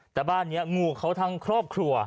แต่บ้านนี้งูเขาทั้งครอบครัว